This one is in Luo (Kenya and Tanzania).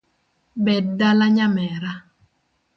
Bed dala nyamera